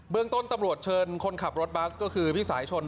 เรื่องต้นตำรวจเชิญคนขับรถบัสก็คือพี่สายชน